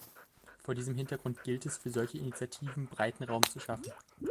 Vor diesem Hintergrund gilt es, für solche Initiativen breiten Raum zu schaffen.